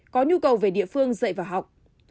có nhu cầu về địa phương dạy và học